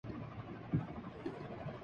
film Kalank اس قابل نہیں تھی کہ اچھا بزنس کرسکے